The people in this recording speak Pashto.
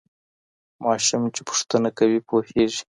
ماشوم چي پوښتنه کوي پوهېږي.